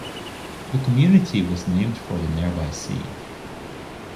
The community was named for the nearby sea.